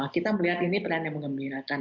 kita melihat ini peran yang mengembirakan